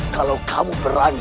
kalau kamu berani